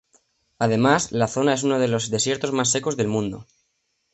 Además, la zona es uno de los desiertos más secos del mundo.